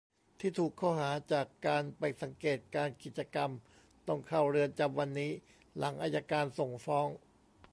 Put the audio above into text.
ที่ถูกข้อหาจากการไปสังเกตการณ์กิจกรรม ตัองเข้าเรือนจำวันนี้หลังอัยการส่งฟ้อง